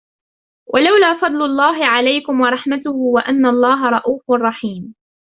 وَلَوْلَا فَضْلُ اللَّهِ عَلَيْكُمْ وَرَحْمَتُهُ وَأَنَّ اللَّهَ رَءُوفٌ رَحِيمٌ